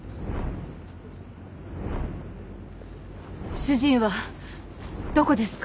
主人はどこですか？